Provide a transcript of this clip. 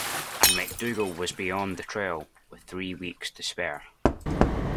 And MacDougall was beyond the trail, with three weeks to spare.